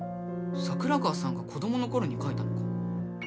桜川さんが子どものころに書いたのか。